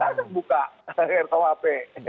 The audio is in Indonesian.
kan kan buka ru kuhp